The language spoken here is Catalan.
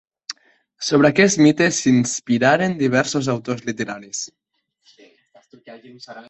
Sobre aquest mite s'inspiraren diversos autors literaris.